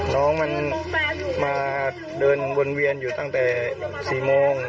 น้องมันมาเดินวนเวียนอยู่ตั้งแต่๔โมง